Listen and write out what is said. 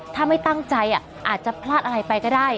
ถ้าไม่ตั้งใจอาจจะพลาดอะไรไปก็ได้